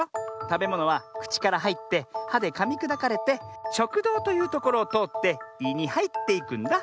たべものはくちからはいって「は」でかみくだかれて「しょくどう」というところをとおって「い」にはいっていくんだ。